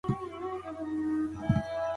نوښتګر فکرونه د انټرنیټ له لارې وده کوي.